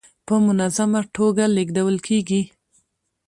په منظمه ټوګه لېږدول کيږي.